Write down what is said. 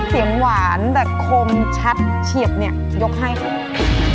เสียงหวานแบบคมชัดเฉียบเนี่ยยกให้ครับ